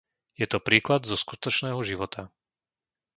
Je to príklad zo skutočného života.